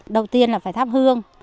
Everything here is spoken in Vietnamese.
đầu tiên là phải thắp hương